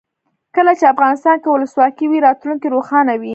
کله چې افغانستان کې ولسواکي وي راتلونکی روښانه وي.